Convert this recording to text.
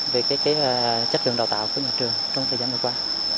về chất lượng đào tạo của nhà trường trong thời gian vừa qua